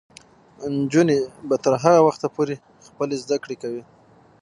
نجونې به تر هغه وخته پورې خپلې زده کړې کوي.